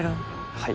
はい。